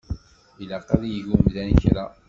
Ilaq ad yeg umdan kra.